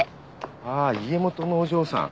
ああ家元のお嬢さん。